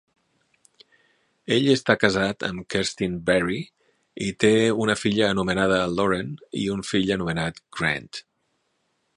Ell està casat amb Kerstin Barry i té una filla anomenada Lauren i un fill anomenat Grant.